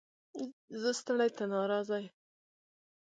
ـ زه ستړى ته ناراضي.